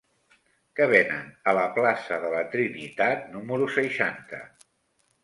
Què venen a la plaça de la Trinitat número seixanta?